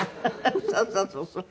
そうそうそうそう。